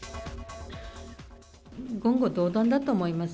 言語道断だと思います。